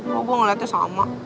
kok gue ngeliatnya sama